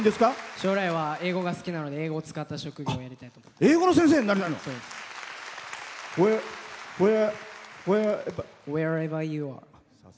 将来は英語が好きなので英語を使った職業をやりたいです。